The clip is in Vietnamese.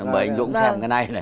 mời anh dũng xem cái này này